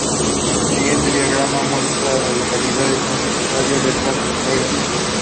Like many other prisoners Flynn endured torture and prolonged periods of solitary confinement.